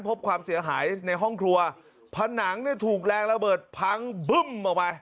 พบความเสียหายในห้องครัวผนังเนี่ยถูกแรงระเบิดพังบึ้มออกไป